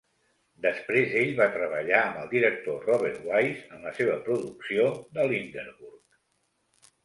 Després ell va treballar amb el director Robert Wise en la seva producció de l'Hinderburg.